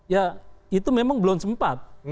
ya itu memang belum sempat